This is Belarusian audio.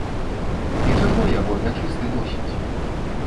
І чаго яго нячысты носіць?